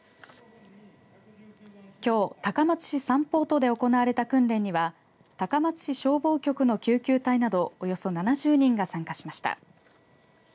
きょう高松市サンポートで行われた訓練には高松市消防局の救急隊などおよそ７０人が参加しました。